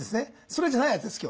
それじゃないやつです